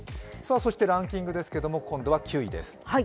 ランキングですけれども、今度は９位です。